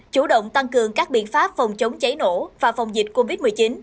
chủ động tăng cường các biện pháp phòng chống cháy nổ và phòng dịch covid một mươi chín